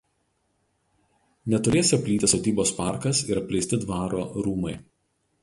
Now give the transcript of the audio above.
Netoliese plyti sodybos parkas ir apleisti dvaro rūmai.